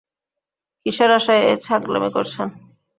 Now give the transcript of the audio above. কিসের আশায় এই ছাগলামি করছেন?